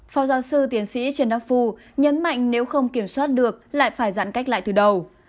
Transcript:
phó giáo sư tiến sĩ trần đắc phu nhấn mạnh nếu không kiểm soát được lại phải giãn cách lại từ đầu